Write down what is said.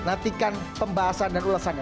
nantikan pembahasan dan ulasannya